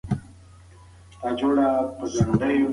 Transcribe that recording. ذبیح الله شفق په دغه ناول کره کتنه کړې ده.